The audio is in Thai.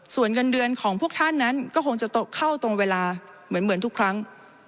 ส่วนเงินเดือนของพวกท่านนั้นก็คงจะตกเข้าตรงเวลาเหมือนทุกครั้ง